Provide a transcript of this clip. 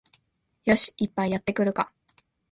よし、一杯やってくるか